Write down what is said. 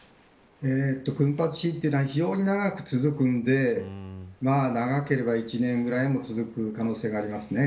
群発地震というのは非常に長く続くので長ければ１年くらい続く可能性がありますね。